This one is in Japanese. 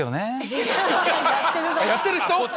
やってる人？